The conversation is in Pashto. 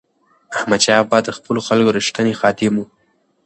احمدشاه بابا د خپلو خلکو رښتینی خادم و.